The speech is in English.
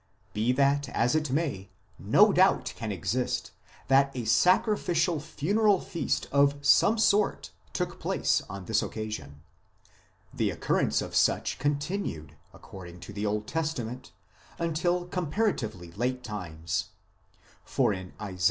But be that as it may, no doubt can exist that a sacrificial funeral feast of some sort took place on this occasion ; the occurrence of such con tinued, according to the Old Testament, until comparatively late times, for in Isa.